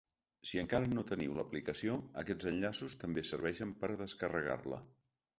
Si encara no teniu l’aplicació, aquests enllaços també serveixen per a descarregar-la.